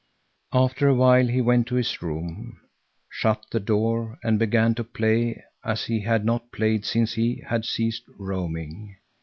After a while he went to his room, shut the door and began to play as he had not played since he had ceased roaming.